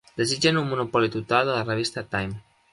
Desitgen un monopoli total de la revista Time.